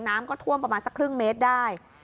น้ำก็ท่วมประมาณสักครึ่งเมตรได้